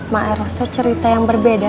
maeros itu cerita yang berbeda